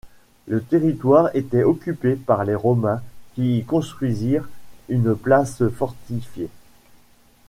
Le territoire était occupé par les Romains qui y construisirent une place fortifiée.